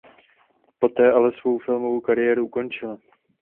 Poté ale svou filmovou kariéru ukončila.